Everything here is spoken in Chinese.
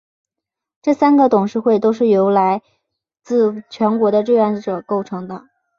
这三个董事会都是由来自全国的志愿者构成的。